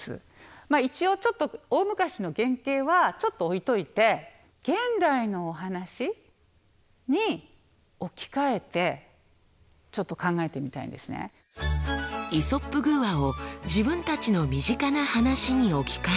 まあ一応ちょっと大昔の原型はちょっと置いといて「イソップ寓話」を自分たちの身近な話に置き換えると。